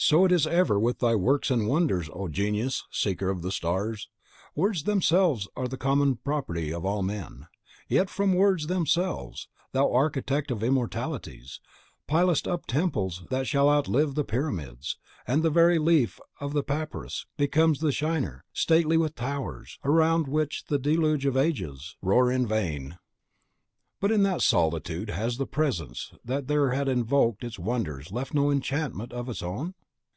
So is it ever with thy works and wonders, O Genius, Seeker of the Stars! Words themselves are the common property of all men; yet, from words themselves, Thou Architect of Immortalities, pilest up temples that shall outlive the Pyramids, and the very leaf of the Papyrus becomes a Shinar, stately with towers, round which the Deluge of Ages, shall roar in vain! But in that solitude has the Presence that there had invoked its wonders left no enchantment of its own?